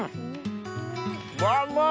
うわうまい！